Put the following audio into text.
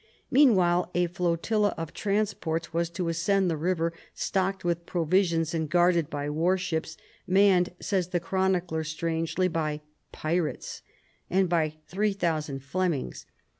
Meanwhile a flotilla of transports was to ascend the river, stocked with pro visions and guarded by warships, manned, says the chronicler strangely, by " pirates " and by three thousand Flemings.